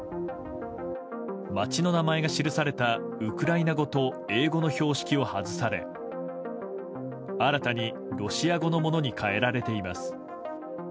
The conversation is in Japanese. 街の名前が記されたウクライナ語と英語の標識を外され新たにロシア語のものに替えられています。